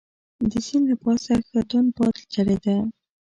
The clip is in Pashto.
د سیند له پاسه ښه توند باد چلیده.